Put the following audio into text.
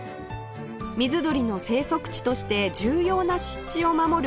水鳥の生息地として重要な湿地を守る